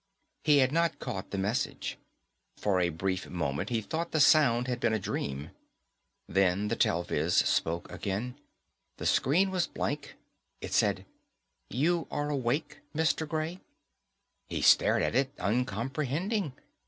He had not caught the message. For a brief moment he thought the sound had been a dream. Then the telviz spoke again. The screen was blank. It said, You are awake, Mr. Gray? He stared at it, uncomprehending.